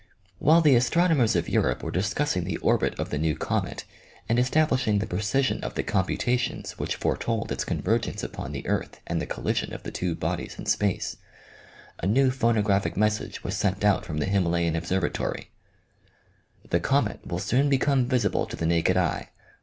While the astronomers of Europe were discussing the orbit of the new comet and establishing the precision of the computations which foretold its convergence upon the earth and the collision of the two bodies in space, a new phonographic message was sent out from the Himalayan observatory :" The comet will soon become visible to the naked eye.